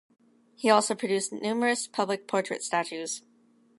He also produced numerous public portrait statues.